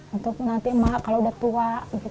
untuk nanti mak kalau udah tua